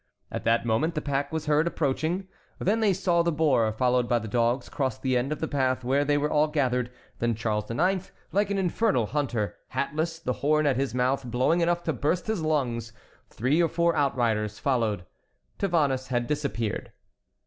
At that moment the pack was heard approaching, then they saw the boar followed by the dogs cross the end of the path where they were all gathered; then Charles IX., like an infernal hunter, hatless, the horn at his mouth blowing enough to burst his lungs; three or four outriders followed. Tavannes had disappeared.